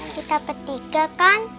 kita bertiga kan